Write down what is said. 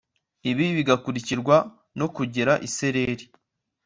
ibi bigakurikirwa no kugira isereri